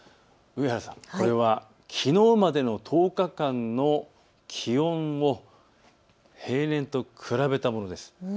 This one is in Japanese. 上原さん、これはきのうまでの１０日間の気温を平年と比べたものです。